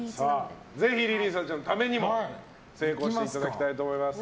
ぜひ莉里沙ちゃんのためにも成功していただきたいと思います。